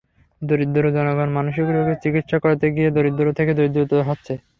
দরিদ্র জনগণ মানসিক রোগের চিকিৎসা করাতে গিয়ে দরিদ্র থেকে দরিদ্রতর হচ্ছে।